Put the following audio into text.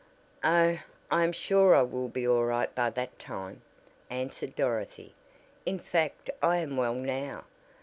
"Oh, I am sure I will be all right by that time," answered Dorothy, "in fact I am well now.